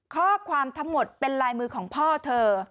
ข้อความทั้งหมดเป็นลายมือของพ่อเธอ